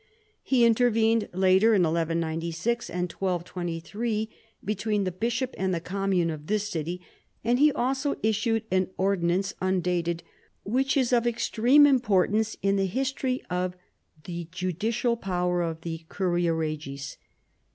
He intervened later, in 1196 and 1223, between the bishop and the commune of this city; and he also issued an ordinance, undated, which is of extreme importance in the history of the judicial power of the curia regis.